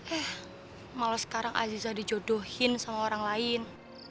eh malah sekarang aziza dijodohin sama orang lain